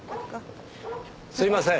すいません。